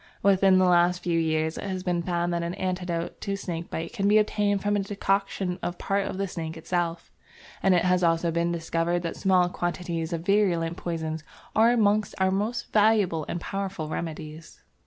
Within the last few years it has been found that an antidote to snake bite can be obtained from a decoction of part of the snake itself, and it has also been discovered that small quantities of virulent poisons are amongst our most valuable and powerful remedies.